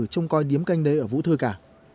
trong coi điếm canh d ở vũ thơ cả